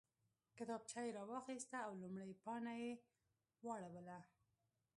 کتابچه یې راواخیسته او لومړۍ پاڼه یې واړوله